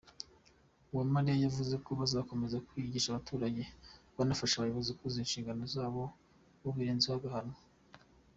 Uwamariya yavuze ko bazakomeza kwigisha abaturage banafasha abayobozi kuzuza ishingano zabo, ubirenzeho agahanwa.